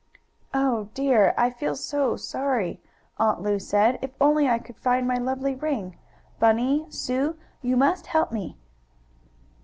"Oh dear! I feel so sorry!" Aunt Lu said, "If only I could find my lovely ring. Bunny Sue, you must help me.